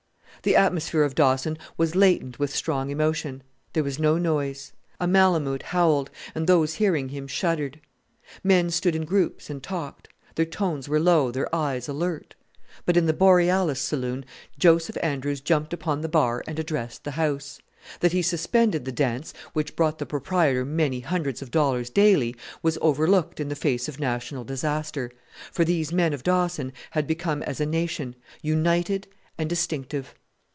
The atmosphere of Dawson was latent with strong emotion. There was no noise. A malamoot howled, and those hearing him shuddered. Men stood in groups and talked; their tones were low, their eyes alert. But in the Borealis Saloon Joseph Andrews jumped upon the bar and addressed the house. That he suspended the dance, which brought the proprietor many hundreds of dollars daily, was overlooked in the face of national disaster; for these men of Dawson had become as a nation united and distinctive.